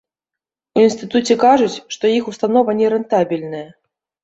У інстытуце кажуць, што іх установа нерэнтабельная.